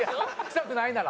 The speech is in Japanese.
臭くないなら。